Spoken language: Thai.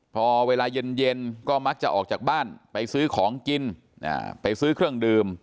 พอเวลาเย็นก็มักจะออกจากบ้านไปซื้อของกินไปซื้อเครื่องดื่ม